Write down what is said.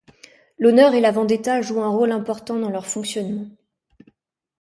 L'honneur et la vendetta jouent un rôle important dans leur fonctionnement.